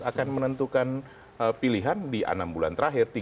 akan menentukan pilihan di enam bulan terakhir